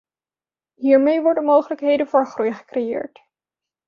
Hiermee worden mogelijkheden voor groei gecreëerd.